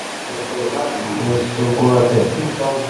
رس سوگار تھ۔